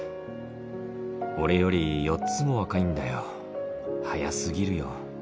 俺より４つも若いんだよ、早すぎるよ。